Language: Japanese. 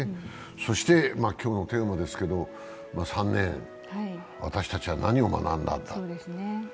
今日のテーマですけど、３年私たちは何を学んだんだ。